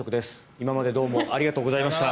今までどうもありがとうございました。